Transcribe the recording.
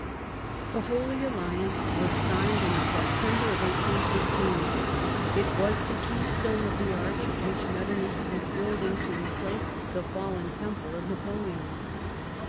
The Holy Alliance was signed in September, 1815. It was the keystone of the arch which Metternich was building to replace the fallen temple of Napoleon.